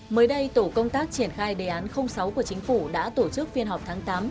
mới đây tổ công tác triển khai đề án sáu của chính phủ đã tổ chức phiên họp tháng tám